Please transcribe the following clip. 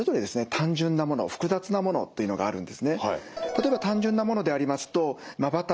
単純なもの複雑なものというのがあるんですね。